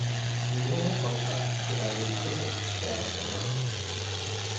The Internet Archive provided equipment, staff and money.